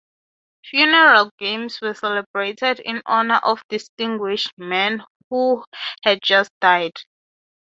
Funeral games were celebrated in honor of distinguished men who had just died.